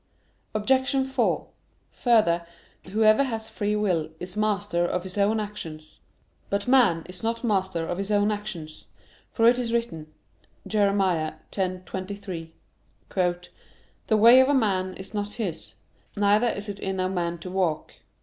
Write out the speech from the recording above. Obj. 4: Further, whoever has free will is master of his own actions. But man is not master of his own actions: for it is written (Jer. 10:23): "The way of a man is not his: neither is it in a man to walk."